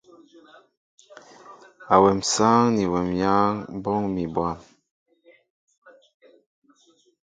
Awem sááŋ ni wem yááŋ ɓóoŋ mi bwăm.